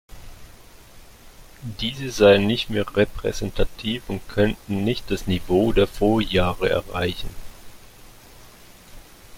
Diese seien nicht mehr repräsentativ und könnten nicht das Niveau der Vorjahre erreichen.